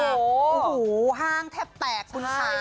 โอ้โหห้างแทบแตกคุณค่ะ